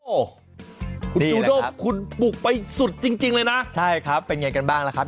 โอ้โหคุณจูด้งคุณบุกไปสุดจริงเลยนะใช่ครับเป็นไงกันบ้างล่ะครับ